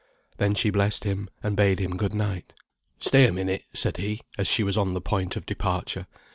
Then she blessed him, and bade him good night. "Stay a minute," said he, as she was on the point of departure.